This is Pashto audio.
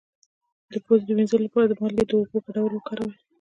د پوزې د مینځلو لپاره د مالګې او اوبو ګډول وکاروئ